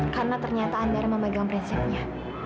karena ternyata andara memegang prinsipnya